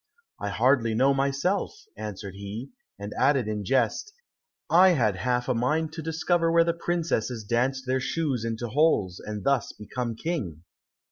"I hardly know myself," answered he, and added in jest, "I had half a mind to discover where the princesses danced their shoes into holes, and thus become King."